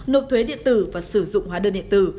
nộp thuế điện tử và sử dụng hóa đơn điện tử